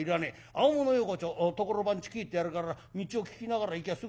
青物横丁所番地聞いてあるから道を聞きながら行きゃすぐに分かる。